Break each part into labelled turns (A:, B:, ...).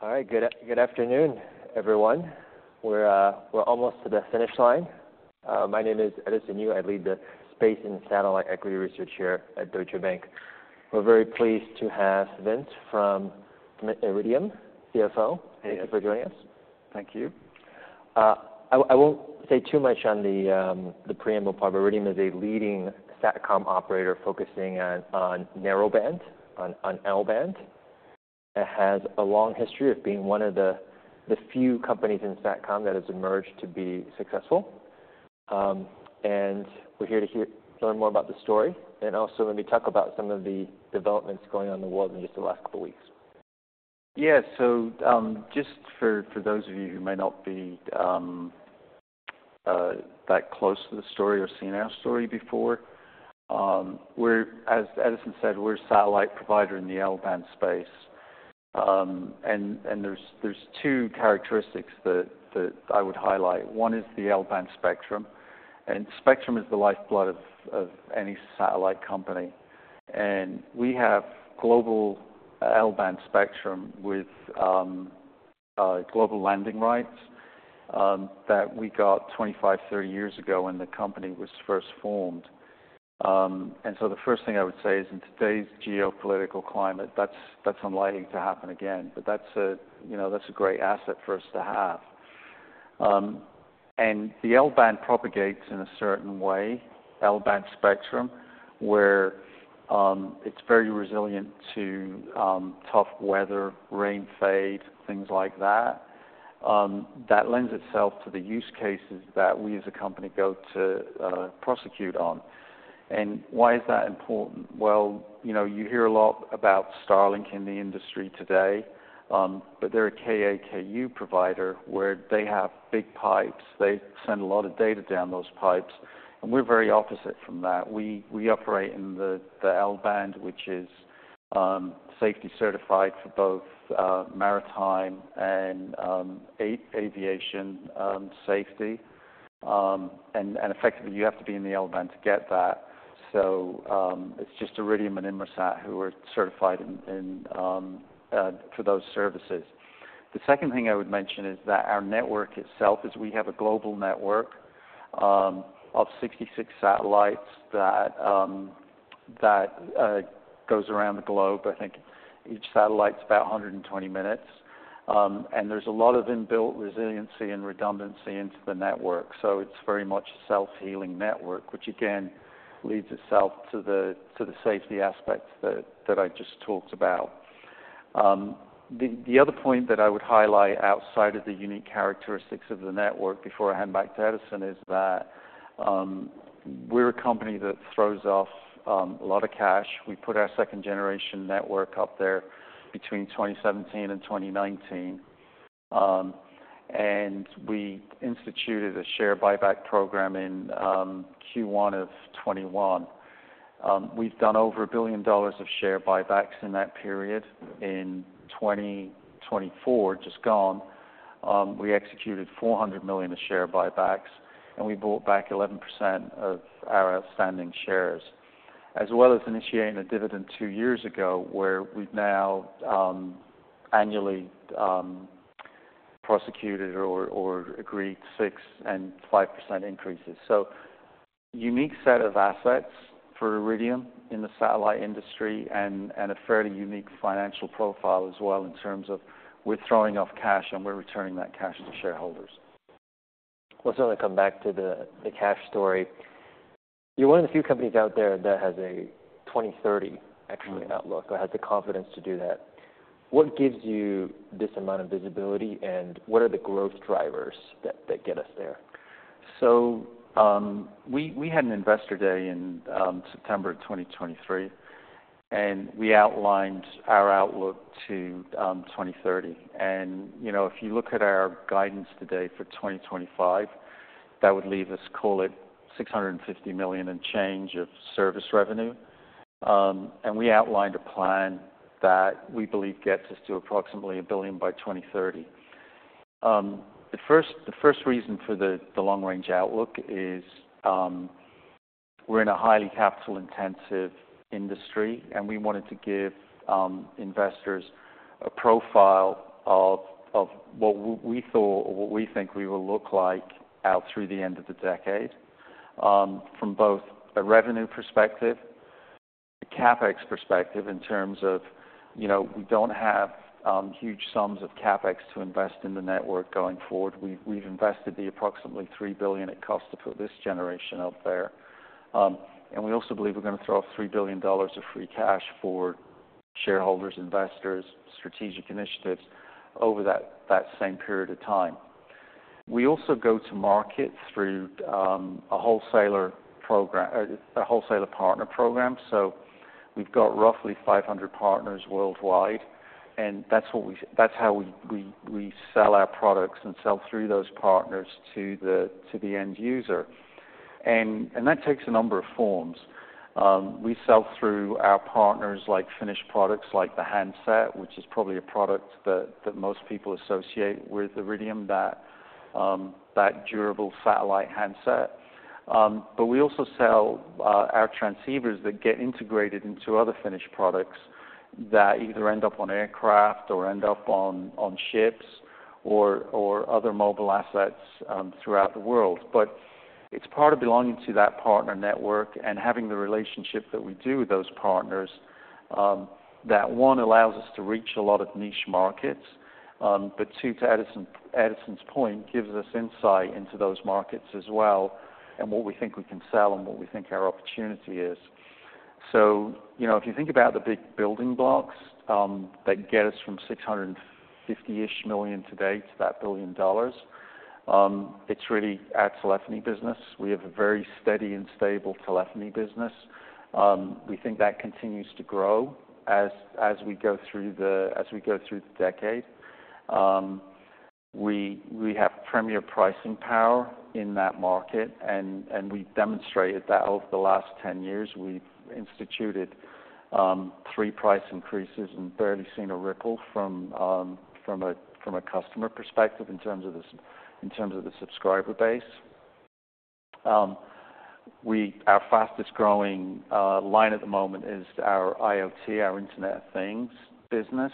A: All right. All right, good afternoon, everyone. We're almost to the finish line. My name is Edison Yu. I lead the space and satellite equity research here at Deutsche Bank. We're very pleased to have Vince from Iridium, CFO.
B: Thank you.
A: Thank you for joining us.
B: Thank you.
A: I won't say too much on the preamble part. Iridium is a leading satcom operator focusing on narrowband, on L-band. It has a long history of being one of the few companies in satcom that has emerged to be successful. We're here to learn more about the story. Let me talk about some of the developments going on in the world in just the last couple of weeks.
B: Yeah, just for those of you who may not be that close to the story or seen our story before, we're, as Edison said, we're a satellite provider in the L-band space. There are two characteristics that I would highlight. One is the L-band spectrum. Spectrum is the lifeblood of any satellite company. We have global L-band spectrum with global landing rights that we got 25-30 years ago when the company was first formed. The first thing I would say is, in today's geopolitical climate, that's unlikely to happen again. That's a great asset for us to have. The L-band propagates in a certain way, L-band spectrum, where it's very resilient to tough weather, rain fade, things like that. That lends itself to the use cases that we, as a company, go to, prosecute on. Why is that important? You know, you hear a lot about Starlink in the industry today, but they're a KAKU provider where they have big pipes. They send a lot of data down those pipes. We're very opposite from that. We operate in the L-band, which is safety certified for both maritime and aviation safety. Effectively, you have to be in the L-band to get that. It is just Iridium and Inmarsat who are certified for those services. The second thing I would mention is that our network itself is, we have a global network of 66 satellites that goes around the globe. I think each satellite's about 120 minutes, and there's a lot of inbuilt resiliency and redundancy into the network. It is very much a self-healing network, which again leads itself to the safety aspects that I just talked about. The other point that I would highlight outside of the unique characteristics of the network, before I hand back to Edison, is that we are a company that throws off a lot of cash. We put our second-generation network up there between 2017 and 2019, and we instituted a share buyback program in Q1 of 2021. We have done over $1 billion of share buybacks in that period. In 2024, just gone, we executed $400 million of share buybacks, and we bought back 11% of our outstanding shares, as well as initiating a dividend two years ago where we have now, annually, prosecuted or agreed 6% and 5% increases. Unique set of assets for Iridium in the satellite industry, and a fairly unique financial profile as well in terms of we're throwing off cash, and we're returning that cash to shareholders.
A: Let's only come back to the cash story. You're one of the few companies out there that has a 2030, actually, outlook or has the confidence to do that. What gives you this amount of visibility, and what are the growth drivers that get us there?
B: We had an Investor Day in September of 2023, and we outlined our outlook to 2030. You know, if you look at our guidance today for 2025, that would leave us, call it, $650 million and change of service revenue. We outlined a plan that we believe gets us to approximately $1 billion by 2030. The first reason for the long-range outlook is, we're in a highly capital-intensive industry, and we wanted to give investors a profile of what we thought or what we think we will look like out through the end of the decade, from both a revenue perspective, a CapEx perspective in terms of, you know, we don't have huge sums of CapEx to invest in the network going forward. We've invested the approximately $3 billion it costs to put this generation up there. We also believe we're gonna throw off $3 billion of free cash for shareholders, investors, strategic initiatives over that same period of time. We also go to market through a wholesaler program, a wholesaler partner program. We've got roughly 500 partners worldwide, and that's how we sell our products and sell through those partners to the end user. That takes a number of forms. We sell through our partners finished products like the handset, which is probably a product that most people associate with Iridium, that durable satellite handset. We also sell our transceivers that get integrated into other finished products that either end up on aircraft or end up on ships or other mobile assets throughout the world. It is part of belonging to that partner network and having the relationship that we do with those partners, that, one, allows us to reach a lot of niche markets, but two, to Edison, Edison's point, gives us insight into those markets as well and what we think we can sell and what we think our opportunity is. You know, if you think about the big building blocks that get us from $650 million today to that $1 billion, it is really our telephony business. We have a very steady and stable telephony business. We think that continues to grow as we go through the decade. We have premier pricing power in that market, and we have demonstrated that over the last 10 years. We've instituted three price increases and barely seen a ripple from a customer perspective in terms of the subscriber base. Our fastest-growing line at the moment is our IoT, our Internet of Things business.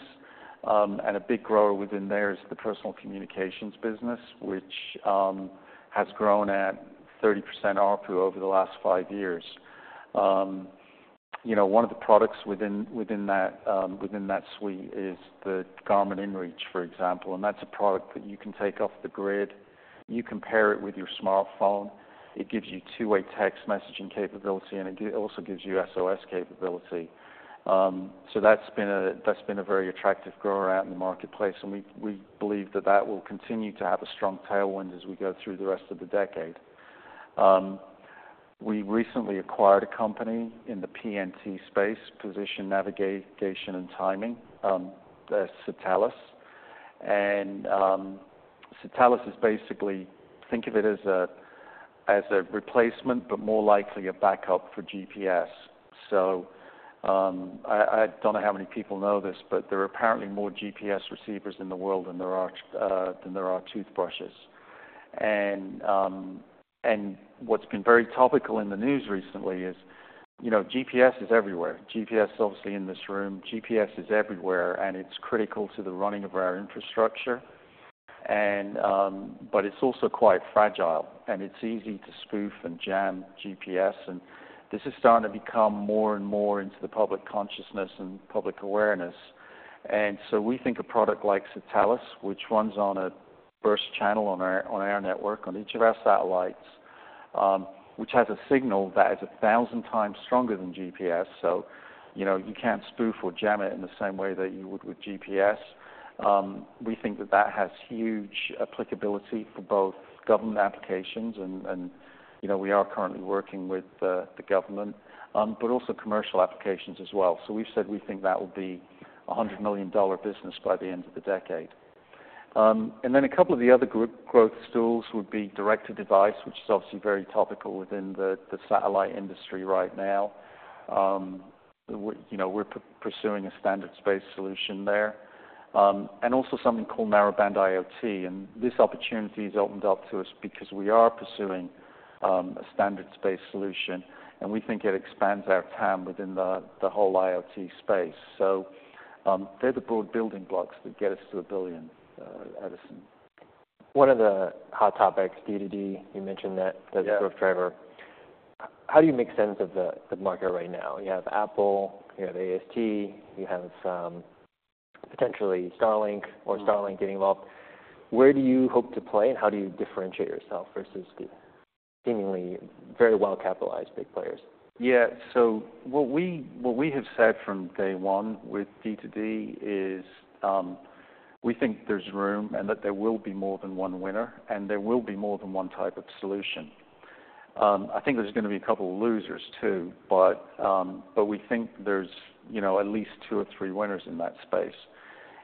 B: A big grower within there is the personal communications business, which has grown at 30% RPU over the last five years. You know, one of the products within that suite is the Garmin inReach, for example. That's a product that you can take off the grid. You can pair it with your smartphone. It gives you two-way text messaging capability, and it also gives you SOS capability. That's been a very attractive grower out in the marketplace. We believe that that will continue to have a strong tailwind as we go through the rest of the decade. We recently acquired a company in the PNT space, position navigation and timing, that's Satelles. Satelles is basically, think of it as a replacement but more likely a backup for GPS. I do not know how many people know this, but there are apparently more GPS receivers in the world than there are toothbrushes. What's been very topical in the news recently is, you know, GPS is everywhere. GPS, obviously, in this room, GPS is everywhere, and it's critical to the running of our infrastructure. It's also quite fragile, and it's easy to spoof and jam GPS. This is starting to become more and more into the public consciousness and public awareness. We think a product like Satelles, which runs on a burst channel on our network, on each of our satellites, which has a signal that is 1,000 times stronger than GPS, so, you know, you cannot spoof or jam it in the same way that you would with GPS. We think that that has huge applicability for both government applications and, you know, we are currently working with the government, but also commercial applications as well. We have said we think that will be a $100 million business by the end of the decade. A couple of the other growth stools would be direct-to-device, which is obviously very topical within the satellite industry right now. We are pursuing a standards-based solution there, and also something called Narrowband IoT. This opportunity has opened up to us because we are pursuing a standard space solution, and we think it expands our TAM within the whole IoT space. They're the broad building blocks that get us to a billion, Edison.
A: One of the hot topics, D2D, you mentioned that.
B: Yeah.
A: The growth driver. How do you make sense of the, the market right now? You have Apple. You have AST. You have, potentially Starlink or Starlink getting involved. Where do you hope to play, and how do you differentiate yourself versus the seemingly very well-capitalized big players?
B: Yeah. What we have said from day one with D2D is, we think there's room and that there will be more than one winner, and there will be more than one type of solution. I think there's gonna be a couple of losers too, but we think there's, you know, at least two or three winners in that space.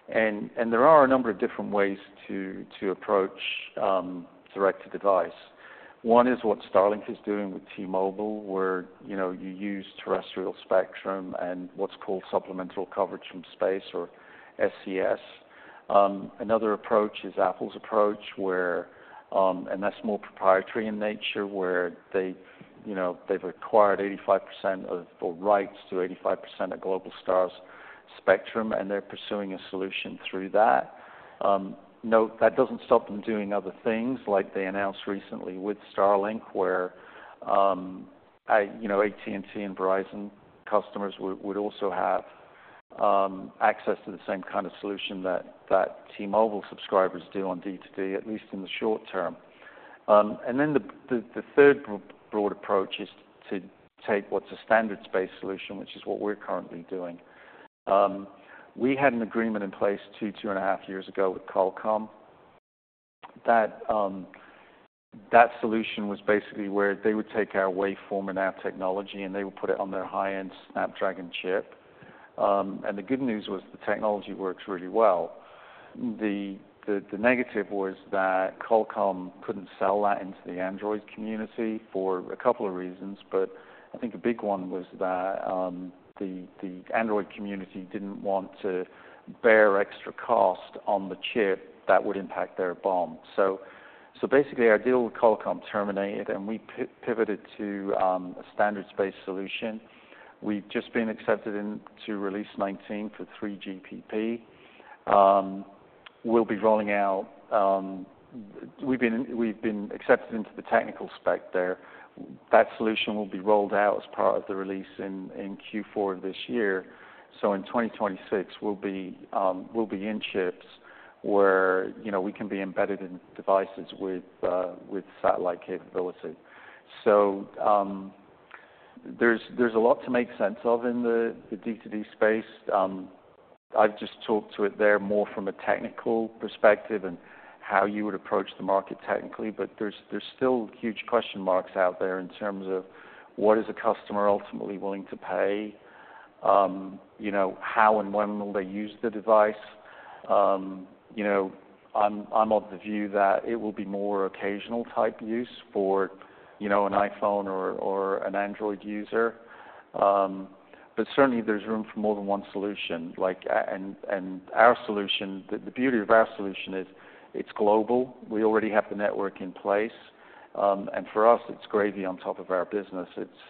B: There are a number of different ways to approach direct-to-device. One is what Starlink is doing with T-Mobile, where you use terrestrial spectrum and what's called supplemental coverage from space or SCS. Another approach is Apple's approach, and that's more proprietary in nature where they, you know, they've acquired 85% of or rights to 85% of Globalstar's spectrum, and they're pursuing a solution through that. No, that doesn't stop them doing other things, like they announced recently with Starlink, where, you know, AT&T and Verizon customers would also have access to the same kind of solution that T-Mobile subscribers do on D2D, at least in the short term. The third broad approach is to take what's a standard space solution, which is what we're currently doing. We had an agreement in place two, two and a half years ago with Qualcomm that, that solution was basically where they would take our waveform and our technology, and they would put it on their high-end Snapdragon chip. The good news was the technology works really well. The negative was that Qualcomm couldn't sell that into the Android community for a couple of reasons, but I think a big one was that the Android community didn't want to bear extra cost on the chip that would impact their BOM. Basically, our deal with Qualcomm terminated, and we pivoted to a standard space solution. We've just been accepted into release 19 for 3GPP. We'll be rolling out, we've been accepted into the technical spec there. That solution will be rolled out as part of the release in Q4 of this year. In 2026, we'll be in chips where, you know, we can be embedded in devices with satellite capability. There's a lot to make sense of in the D2D space. I've just talked to it there more from a technical perspective and how you would approach the market technically, but there's still huge question marks out there in terms of what is a customer ultimately willing to pay. You know, how and when will they use the device? You know, I'm of the view that it will be more occasional-type use for, you know, an iPhone or an Android user. Certainly, there's room for more than one solution. Like, and our solution, the beauty of our solution is it's global. We already have the network in place, and for us, it's gravy on top of our business.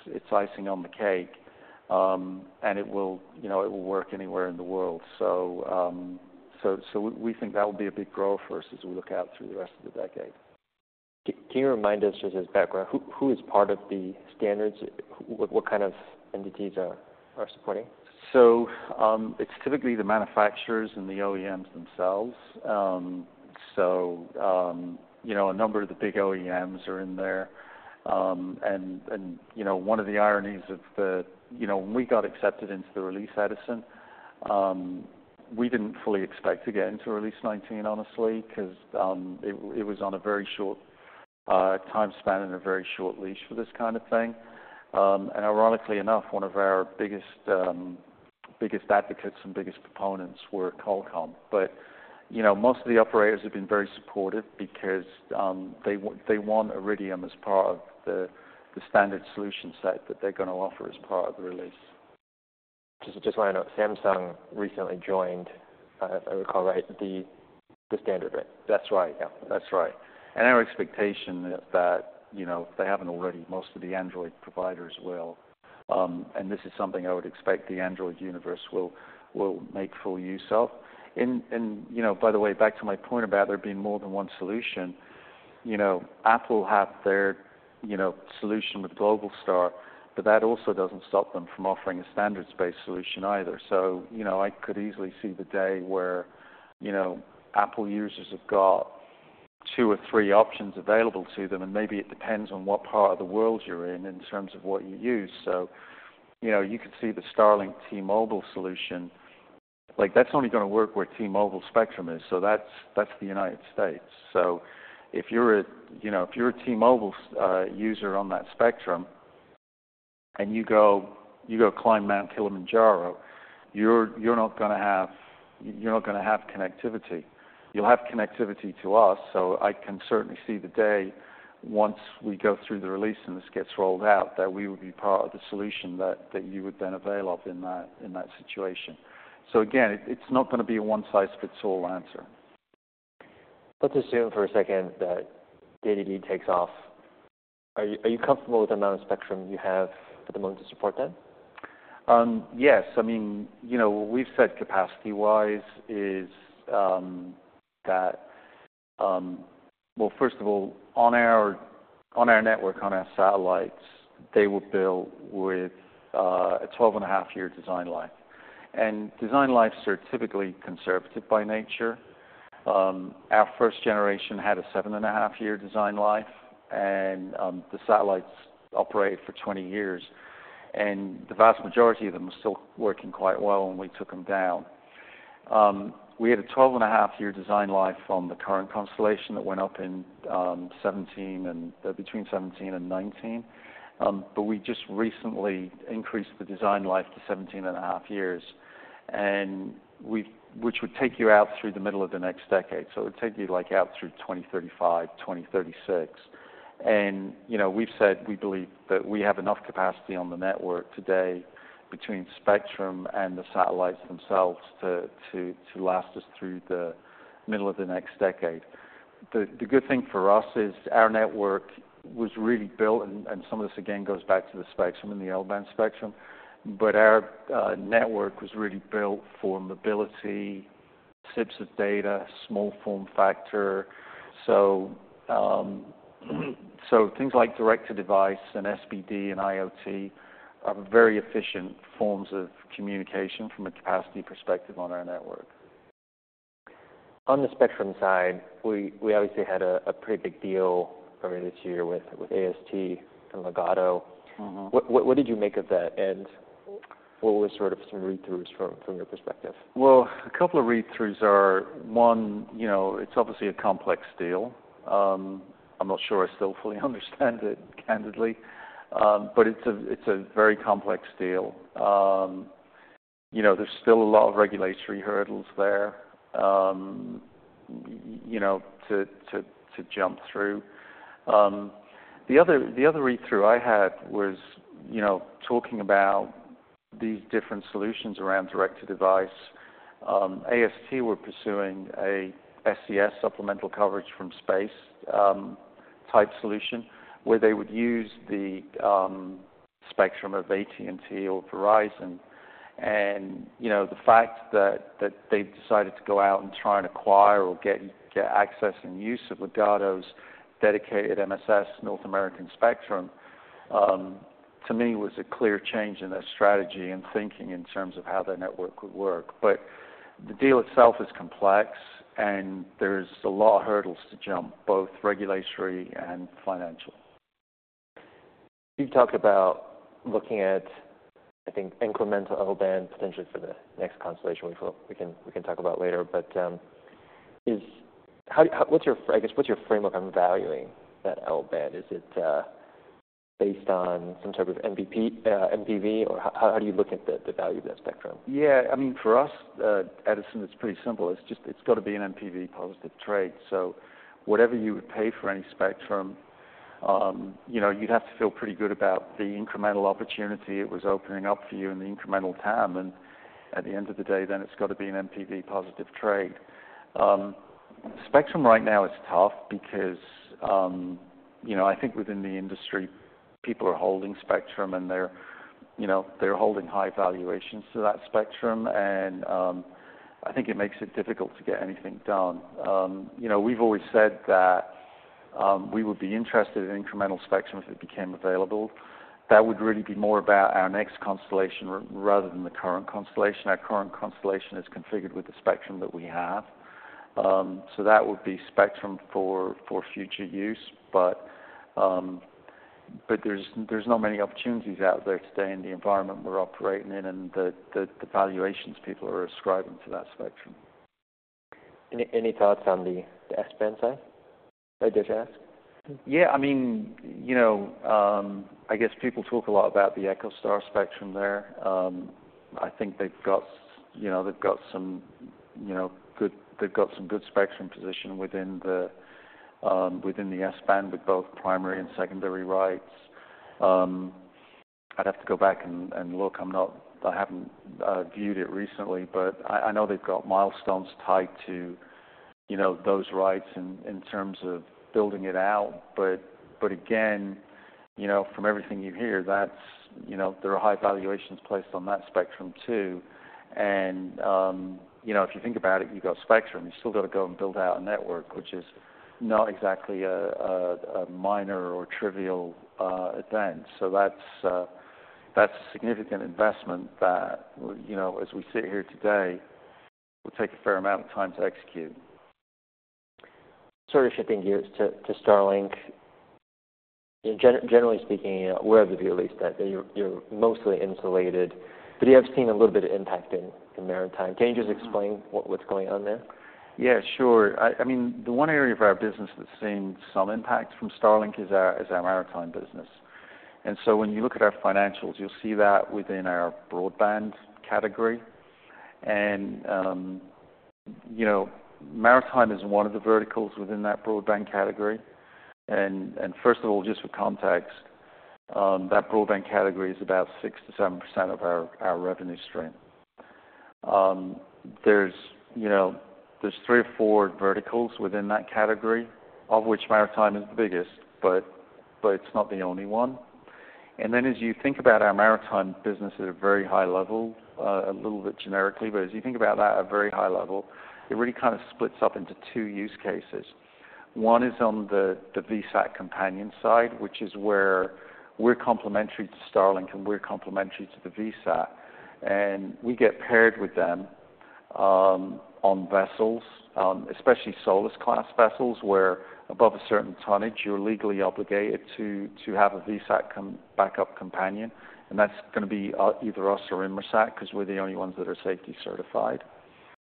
B: It's icing on the cake, and it will, you know, it will work anywhere in the world. We think that will be a big growth for us as we look out through the rest of the decade.
A: Can you remind us just as background, who, who is part of the standards? What, what kind of entities are supporting?
B: It's typically the manufacturers and the OEMs themselves. You know, a number of the big OEMs are in there. You know, one of the ironies of the, you know, when we got accepted into the release, Edison, we didn't fully expect to get into release 19, honestly, 'cause it was on a very short time span and a very short leash for this kind of thing. Ironically enough, one of our biggest, biggest advocates and biggest proponents were Qualcomm. You know, most of the operators have been very supportive because they want Iridium as part of the standard solution set that they're gonna offer as part of the release.
A: Just want to note, Samsung recently joined, if I recall right, the standard. Right?
B: That's right. Yeah. That's right. Our expectation is that, you know, if they haven't already, most of the Android providers will. This is something I would expect the Android universe will make full use of. You know, by the way, back to my point about there being more than one solution, you know, Apple have their, you know, solution with Globalstar, but that also doesn't stop them from offering a standard space solution either. You know, I could easily see the day where, you know, Apple users have got two or three options available to them, and maybe it depends on what part of the world you're in in terms of what you use. You know, you could see the Starlink T-Mobile solution, like, that's only gonna work where T-Mobile spectrum is. That's the United States. If you're a, you know, if you're a T-Mobile user on that spectrum and you go climb Mount Kilimanjaro, you're not gonna have connectivity. You'll have connectivity to us. I can certainly see the day once we go through the release and this gets rolled out that we would be part of the solution that you would then avail of in that situation. Again, it's not gonna be a one-size-fits-all answer.
A: Let's assume for a second that D2D takes off. Are you comfortable with the amount of spectrum you have at the moment to support that?
B: Yes. I mean, you know, what we've said capacity-wise is, that, first of all, on our, on our network, on our satellites, they were built with a 12.5 years design life. And design lives are typically conservative by nature. Our first generation had a 7.5 years design life, and the satellites operated for 20 years, and the vast majority of them were still working quite well when we took them down. We had a 12.5 years design life on the current constellation that went up in 2017 and, between 2017 and 2019. We just recently increased the design life to 17.5 years, which would take you out through the middle of the next decade. It would take you, like, out through 2035, 2036. You know, we've said we believe that we have enough capacity on the network today between spectrum and the satellites themselves to last us through the middle of the next decade. The good thing for us is our network was really built, and some of this, again, goes back to the spectrum and the L-band spectrum, but our network was really built for mobility, sips of data, small form factor. Things like direct-to-device and SBD and IoT are very efficient forms of communication from a capacity perspective on our network.
A: On the spectrum side, we obviously had a pretty big deal earlier this year with AST and Ligado.
B: Mm-hmm.
A: What did you make of that? And what were sort of some read-throughs from your perspective?
B: A couple of read-throughs are, one, you know, it's obviously a complex deal. I'm not sure I still fully understand it, candidly. It's a very complex deal. You know, there's still a lot of regulatory hurdles there, you know, to jump through. The other read-through I had was, you know, talking about these different solutions around direct-to-device. AST were pursuing a SCS supplemental coverage from space type solution where they would use the spectrum of AT&T or Verizon. You know, the fact that they decided to go out and try and acquire or get access and use of Ligado's dedicated MSS North American spectrum, to me, was a clear change in their strategy and thinking in terms of how their network would work. The deal itself is complex, and there's a lot of hurdles to jump, both regulatory and financial.
A: You've talked about looking at, I think, incremental L-band potentially for the next constellation, which we can talk about later. Is, how, how, what's your, I guess, what's your framework on valuing that L-band? Is it based on some type of NPV, NPV, or how do you look at the value of that spectrum?
B: Yeah. I mean, for us, Edison, it's pretty simple. It's just, it's gotta be an NPV-positive trade. So whatever you would pay for any spectrum, you know, you'd have to feel pretty good about the incremental opportunity it was opening up for you and the incremental TAM. At the end of the day, then it's gotta be an NPV-positive trade. Spectrum right now is tough because, you know, I think within the industry, people are holding spectrum, and they're, you know, they're holding high valuations to that spectrum. I think it makes it difficult to get anything done. You know, we've always said that we would be interested in incremental spectrum if it became available. That would really be more about our next constellation rather than the current constellation. Our current constellation is configured with the spectrum that we have. That would be spectrum for future use. There are not many opportunities out there today in the environment we are operating in and the valuations people are ascribing to that spectrum.
A: Any thoughts on the S-band side? I didn't ask.
B: Yeah. I mean, you know, I guess people talk a lot about the EchoStar spectrum there. I think they've got, you know, they've got some, you know, good, they've got some good spectrum position within the S-band with both primary and secondary rights. I'd have to go back and look. I'm not, I haven't viewed it recently, but I know they've got milestones tied to those rights in terms of building it out. You know, from everything you hear, that's, you know, there are high valuations placed on that spectrum too. You know, if you think about it, you've got spectrum. You still gotta go and build out a network, which is not exactly a minor or trivial event. That's a significant investment that, you know, as we sit here today, will take a fair amount of time to execute.
A: Sort of shifting gears to Starlink, you know, generally speaking, we're at the view at least that you're mostly insulated, but you have seen a little bit of impact in maritime. Can you just explain what's going on there?
B: Yeah. Sure. I mean, the one area of our business that's seen some impact from Starlink is our maritime business. When you look at our financials, you'll see that within our broadband category. You know, maritime is one of the verticals within that broadband category. First of all, just for context, that broadband category is about 6%-7% of our revenue stream. There's, you know, three or four verticals within that category, of which maritime is the biggest, but it's not the only one. As you think about our maritime business at a very high level, a little bit generically, but as you think about that at a very high level, it really kind of splits up into two use cases. One is on the, the VSAT companion side, which is where we're complementary to Starlink and we're complementary to the VSAT. We get paired with them, on vessels, especially SOLAS-class vessels where above a certain tonnage, you're legally obligated to have a VSAT companion backup. That's gonna be either us or Inmarsat 'cause we're the only ones that are safety certified.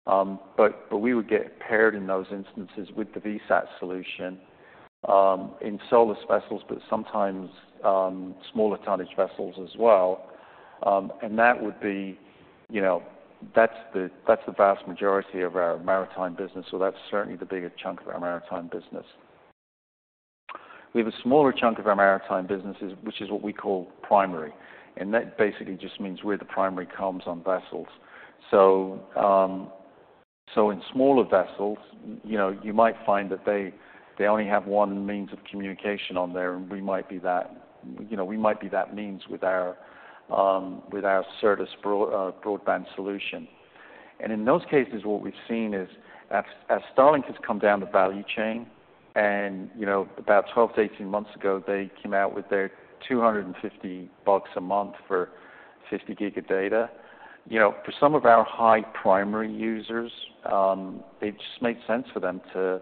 B: We would get paired in those instances with the VSAT solution, in SOLAS vessels, but sometimes, smaller tonnage vessels as well. That would be, you know, that's the vast majority of our maritime business, or that's certainly the bigger chunk of our maritime business. We have a smaller chunk of our maritime business, which is what we call primary. That basically just means we're the primary comms on vessels. In smaller vessels, you know, you might find that they only have one means of communication on there, and we might be that, you know, we might be that means with our service, broadband solution. In those cases, what we've seen is as Starlink has come down the value chain, and, you know, about 12 to 18 months ago, they came out with their $250 a month for 50 GB of data. You know, for some of our high primary users, it just made sense for them to,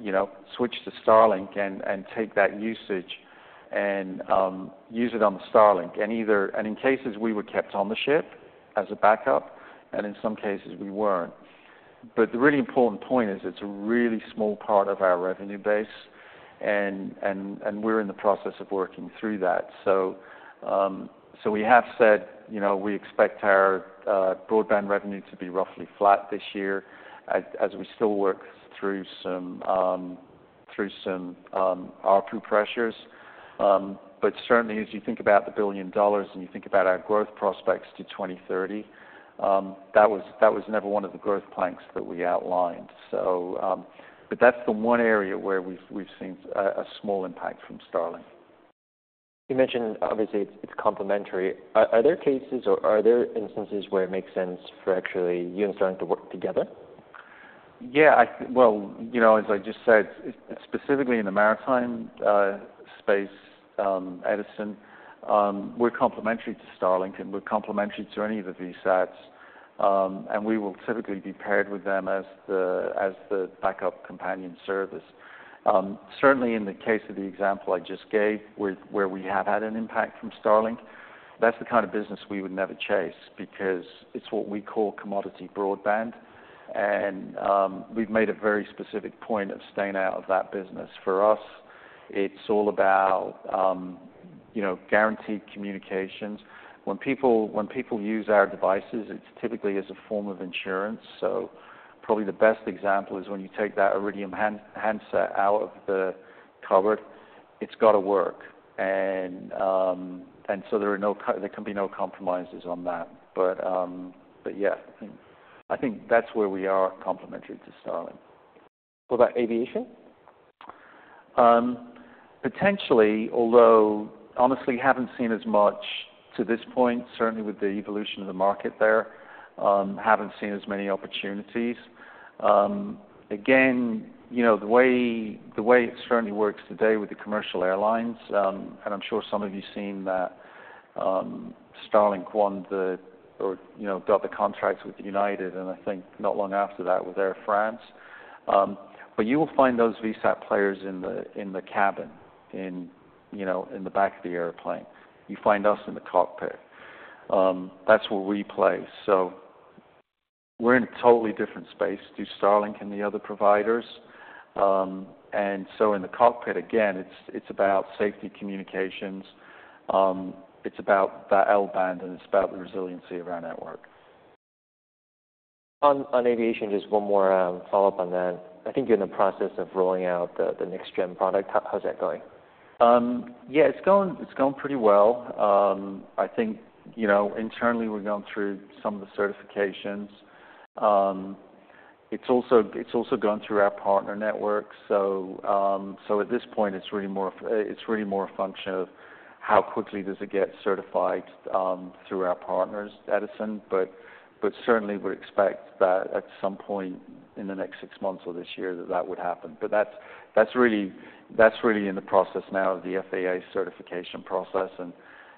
B: you know, switch to Starlink and take that usage and use it on the Starlink. In cases, we were kept on the ship as a backup, and in some cases, we weren't. The really important point is it's a really small part of our revenue base, and we're in the process of working through that. We have said, you know, we expect our broadband revenue to be roughly flat this year as we still work through some R2 pressures. Certainly, as you think about the billion dollars and you think about our growth prospects to 2030, that was never one of the growth planks that we outlined. That's the one area where we've seen a small impact from Starlink.
A: You mentioned, obviously, it's complementary. Are there cases or are there instances where it makes sense for actually you and Starlink to work together?
B: Yeah. I think, as I just said, it's specifically in the maritime space, Edison. We're complementary to Starlink, and we're complementary to any of the VSATs. We will typically be paired with them as the backup companion service. Certainly, in the case of the example I just gave, where we have had an impact from Starlink, that's the kind of business we would never chase because it's what we call commodity broadband. We've made a very specific point of staying out of that business. For us, it's all about, you know, guaranteed communications. When people use our devices, it's typically as a form of insurance. Probably the best example is when you take that Iridium handset out of the cupboard, it's gotta work. There can be no compromises on that. Yeah, I think, I think that's where we are complementary to Starlink.
A: What about aviation?
B: Potentially, although honestly, haven't seen as much to this point, certainly with the evolution of the market there. Haven't seen as many opportunities. Again, you know, the way it certainly works today with the commercial airlines, and I'm sure some of you've seen that, Starlink won the, or, you know, got the contracts with United, and I think not long after that with Air France. You will find those VSAT players in the, in the cabin, in, you know, in the back of the airplane. You find us in the cockpit. That's where we play. We are in a totally different space to Starlink and the other providers. In the cockpit, again, it's about safety communications. It's about that L-band, and it's about the resiliency of our network.
A: On aviation, just one more follow-up on that. I think you're in the process of rolling out the next-gen product. How's that going?
B: Yeah, it's going, it's going pretty well. I think, you know, internally, we're going through some of the certifications. It's also, it's also going through our partner networks. At this point, it's really more of, it's really more a function of how quickly does it get certified, through our partners, Edison. Certainly, we'd expect that at some point in the next six months or this year that that would happen. That's really, that's really in the process now of the FAA certification process.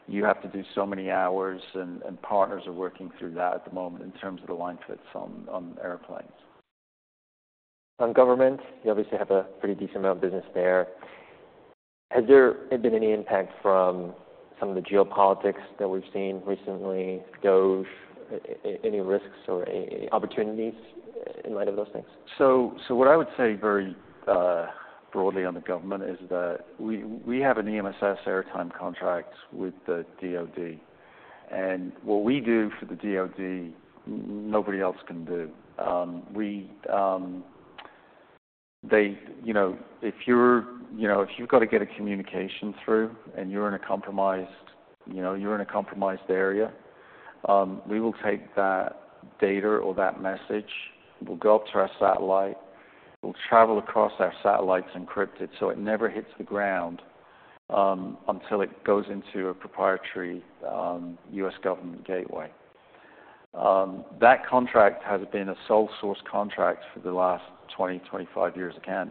B: You have to do so many hours, and partners are working through that at the moment in terms of the line fits on airplanes.
A: On government, you obviously have a pretty decent amount of business there. Has there been any impact from some of the geopolitics that we've seen recently, any risks or opportunities in light of those things?
B: What I would say very broadly on the government is that we have an EMSS airtime contract with the DoD. And what we do for the DoD, nobody else can do. They, you know, if you're, you know, if you've gotta get a communication through and you're in a compromised, you know, you're in a compromised area, we will take that data or that message, we'll go up to our satellite, we'll travel across our satellites encrypted so it never hits the ground, until it goes into a proprietary U.S. government gateway. That contract has been a sole-source contract for the last 20-25 years. I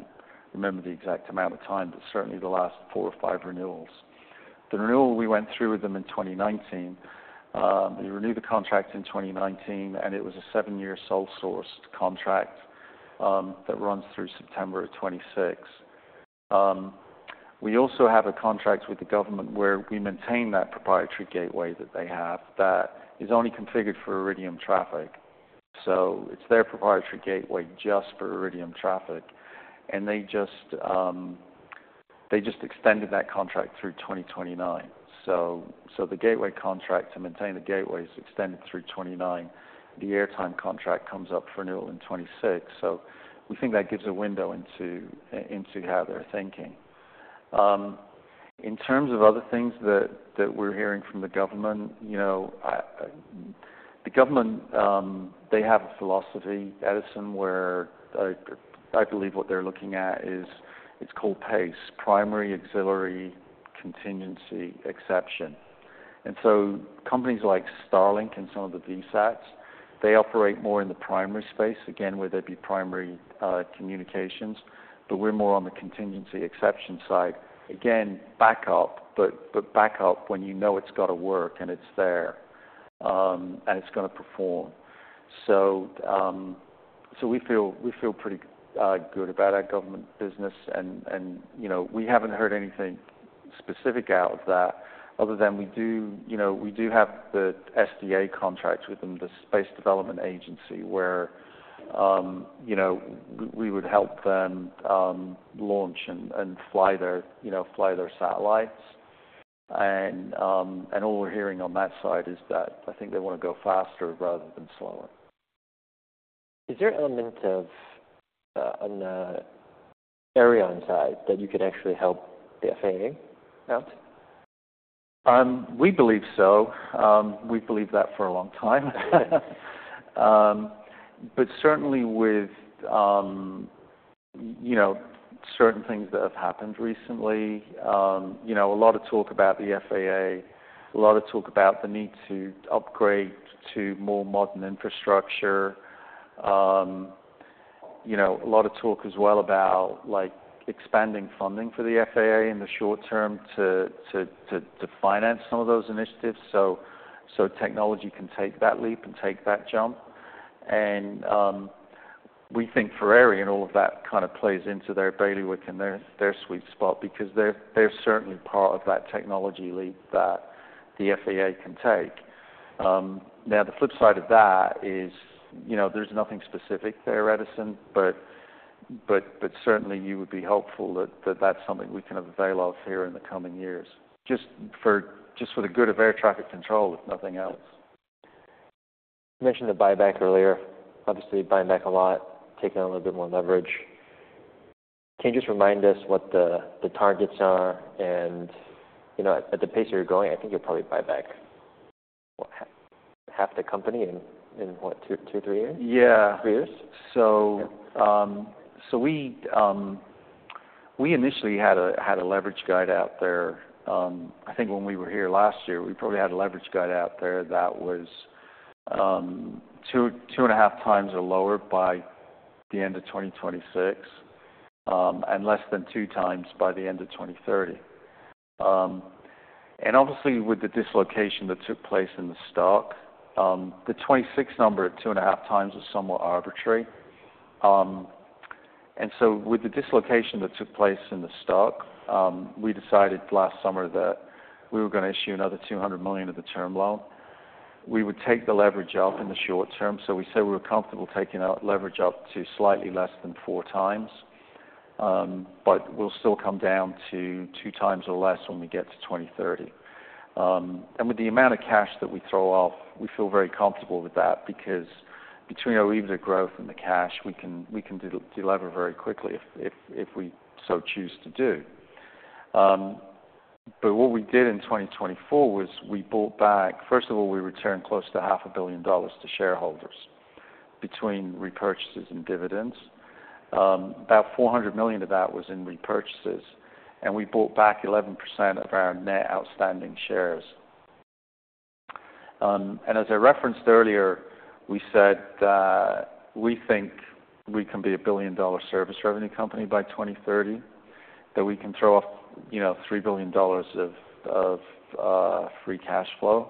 B: can't remember the exact amount of time, but certainly the last four or five renewals. The renewal we went through with them in 2019, we renewed the contract in 2019, and it was a seven-year sole-source contract that runs through September of 2026. We also have a contract with the government where we maintain that proprietary gateway that they have that is only configured for Iridium traffic. It is their proprietary gateway just for Iridium traffic. They just extended that contract through 2029. The gateway contract to maintain the gateway is extended through 2029. The airtime contract comes up for renewal in 2026. We think that gives a window into how they're thinking. In terms of other things that we're hearing from the government, you know, the government, they have a philosophy, Edison, where I believe what they're looking at is it's called PACE, Primary Auxiliary Contingency Exception. Companies like Starlink and some of the VSATs operate more in the primary space, again, where there would be primary communications. We are more on the contingency exception side. Backup, but backup when you know it has to work and it is there, and it is going to perform. We feel pretty good about our government business. You know, we have not heard anything specific out of that other than we do have the SDA contract with them, the Space Development Agency, where we would help them launch and fly their satellites. All we are hearing on that side is that I think they want to go faster rather than slower.
A: Is there elements of, an area on site that you could actually help the FAA out?
B: We believe so. We've believed that for a long time. Certainly with, you know, certain things that have happened recently, you know, a lot of talk about the FAA, a lot of talk about the need to upgrade to more modern infrastructure. You know, a lot of talk as well about, like, expanding funding for the FAA in the short term to finance some of those initiatives so technology can take that leap and take that jump. We think Aireon and all of that kind of plays into their bailiwick and their sweet spot because they're certainly part of that technology leap that the FAA can take. Now, the flip side of that is, you know, there's nothing specific there, Edison, but certainly, you would be hopeful that that's something we can avail of here in the coming years, just for the good of air traffic control if nothing else.
A: You mentioned the buyback earlier, obviously buying back a lot, taking a little bit more leverage. Can you just remind us what the targets are? You know, at the pace you're going, I think you'll probably buy back, what, half the company in, in what, two, two, three years?
B: Yeah.
A: Three years?
B: We initially had a leverage guide out there. I think when we were here last year, we probably had a leverage guide out there that was 2x-2.5x or lower by the end of 2026, and less than 2x by the end of 2030. Obviously, with the dislocation that took place in the stock, the 2026 number at 2.5x was somewhat arbitrary. With the dislocation that took place in the stock, we decided last summer that we were gonna issue another $200 million of the term loan. We would take the leverage out in the short term. We said we were comfortable taking out leverage up to slightly less than 4x, but we'll still come down to 2x or less when we get to 2030. With the amount of cash that we throw off, we feel very comfortable with that because between our EBITDA growth and the cash, we can deliver very quickly if we so choose to do. What we did in 2024 was we bought back, first of all, we returned close to $500 million to shareholders between repurchases and dividends. About $400 million of that was in repurchases. We bought back 11% of our net outstanding shares. As I referenced earlier, we said that we think we can be a billion-dollar service revenue company by 2030, that we can throw off, you know, $3 billion of free cash flow.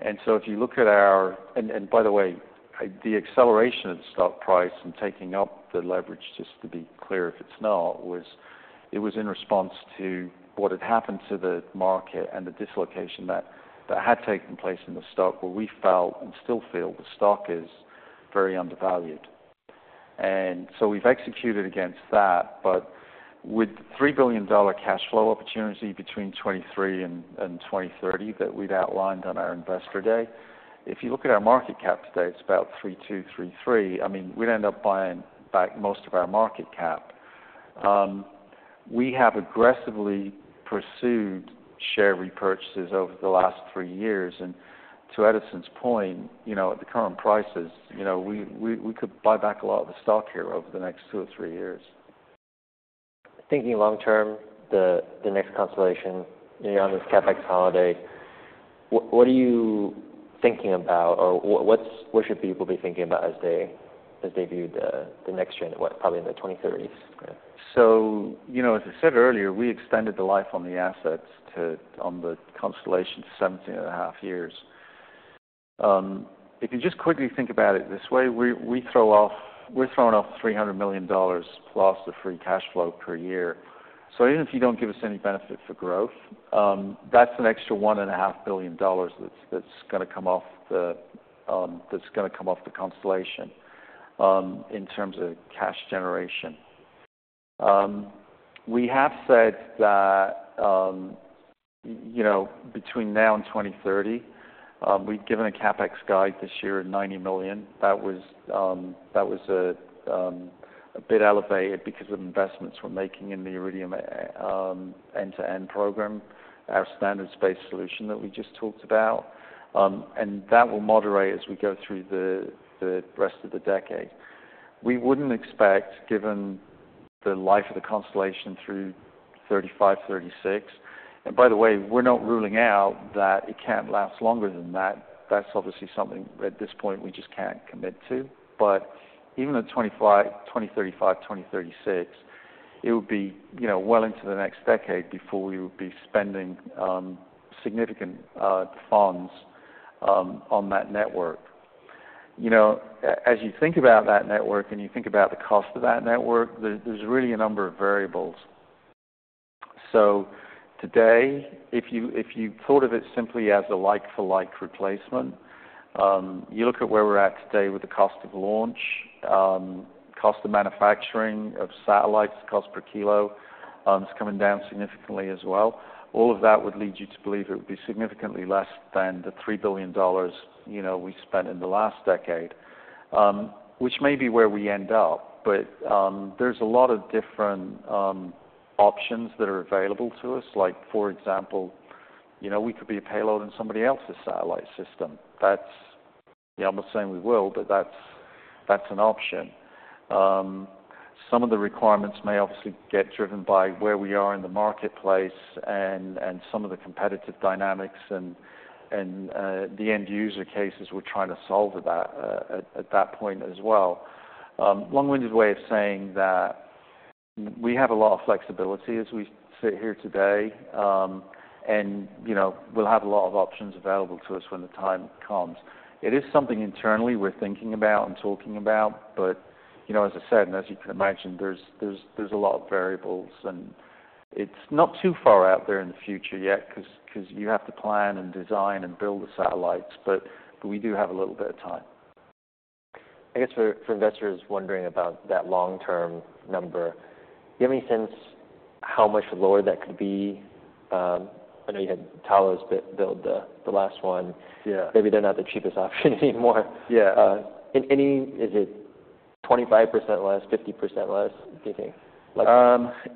B: If you look at our, and by the way, the acceleration of the stock price and taking up the leverage, just to be clear if it's not, was in response to what had happened to the market and the dislocation that had taken place in the stock where we felt and still feel the stock is very undervalued. We have executed against that. With the $3 billion cash flow opportunity between 2023 and 2030 that we had outlined on our Investor Day, if you look at our market cap today, it's about $3.2 billion-$3.3 billion. I mean, we'd end up buying back most of our market cap. We have aggressively pursued share repurchases over the last three years. To Edison's point, you know, at the current prices, you know, we could buy back a lot of the stock here over the next two or three years.
A: Thinking long term, the next constellation, you know, on this CapEx holiday, what are you thinking about or what should people be thinking about as they view the next gen, what, probably in the 2030s?
B: You know, as I said earlier, we extended the life on the assets to, on the constellation to 17 and a half years. If you just quickly think about it this way, we throw off, we're throwing off $300 million plus of free cash flow per year. Even if you do not give us any benefit for growth, that is an extra $1.5 billion that is going to come off the constellation in terms of cash generation. We have said that, you know, between now and 2030, we have given a CapEx guide this year of $90 million. That was a bit elevated because of investments we are making in the Iridium end-to-end program, our standard space solution that we just talked about. That will moderate as we go through the rest of the decade. We would not expect, given the life of the constellation through 2035, 2036. By the way, we are not ruling out that it cannot last longer than that. That is obviously something at this point we just cannot commit to. Even in 2035, 2036, it would be, you know, well into the next decade before we would be spending significant funds on that network. You know, as you think about that network and you think about the cost of that network, there is really a number of variables. Today, if you thought of it simply as a like-for-like replacement, you look at where we are at today with the cost of launch, cost of manufacturing of satellites, cost per kilo, it is coming down significantly as well. All of that would lead you to believe it would be significantly less than the $3 billion, you know, we spent in the last decade, which may be where we end up. There are a lot of different options that are available to us. Like, for example, you know, we could be a payload in somebody else's satellite system. That's, you know, I'm not saying we will, but that's an option. Some of the requirements may obviously get driven by where we are in the marketplace and some of the competitive dynamics and the end-user cases we're trying to solve at that point as well. Long-winded way of saying that we have a lot of flexibility as we sit here today, and, you know, we'll have a lot of options available to us when the time comes. It is something internally we're thinking about and talking about. You know, as I said, and as you can imagine, there's a lot of variables. It's not too far out there in the future yet 'cause you have to plan and design and build the satellites. We do have a little bit of time.
A: I guess for investors wondering about that long-term number, do you have any sense how much lower that could be? I know you had Thales build the last one.
B: Yeah.
A: Maybe they're not the cheapest option anymore.
B: Yeah.
A: Is it 25% less, 50% less, do you think? Like.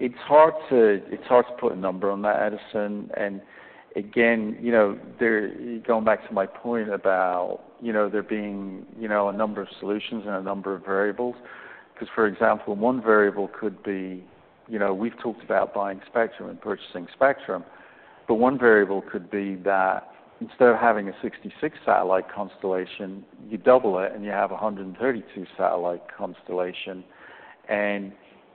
B: It's hard to, it's hard to put a number on that, Edison. Again, you know, there, going back to my point about, you know, there being, you know, a number of solutions and a number of variables. 'Cause for example, one variable could be, you know, we've talked about buying spectrum and purchasing spectrum. One variable could be that instead of having a 66-satellite constellation, you double it and you have a 132-satellite constellation.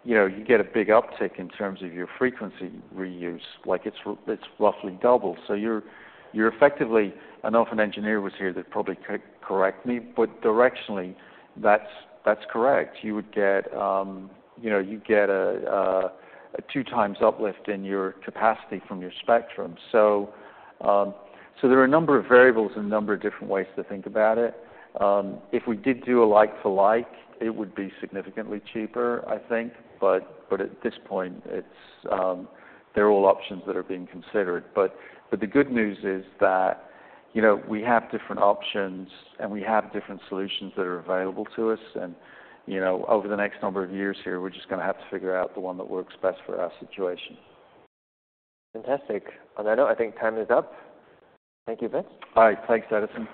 B: You get a big uptick in terms of your frequency reuse. Like, it's, it's roughly doubled. You're effectively, I know if an engineer was here, they'd probably correct me. Directionally, that's correct. You would get, you know, you'd get a 2x uplift in your capacity from your spectrum. There are a number of variables and a number of different ways to think about it. If we did do a like-for-like, it would be significantly cheaper, I think. At this point, they're all options that are being considered. The good news is that, you know, we have different options and we have different solutions that are available to us. You know, over the next number of years here, we're just gonna have to figure out the one that works best for our situation.
A: Fantastic. I know I think time is up. Thank you, Vince.
B: All right. Thanks, Edison.